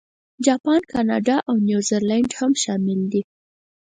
جاپان، کاناډا، او نیوزیلانډ هم شامل دي.